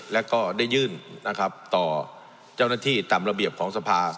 และก็ได้ยื่นนะครับต่อเจ้าหน้าที่ตามระเบียบของสภา